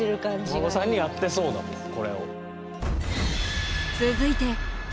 お孫さんにやってそうだもんこれを。